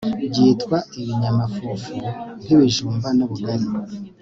byitwa ibinyamafufu nk'ibijumba n'ubugari